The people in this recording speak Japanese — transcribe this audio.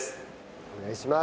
お願いします！